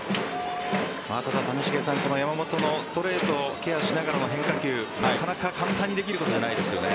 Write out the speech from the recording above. ただ、谷繁さん山本のストレートをケアしながらの変化球なかなか簡単にできることじゃないですよね。